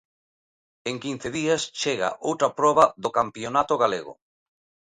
En quince días chega outra proba do campionato galego.